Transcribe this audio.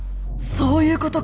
そういうことか。